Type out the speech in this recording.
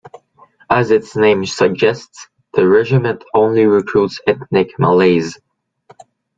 As its name suggests, the regiment only recruits ethnic Malays.